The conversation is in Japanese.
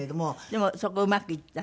でもそこうまくいった？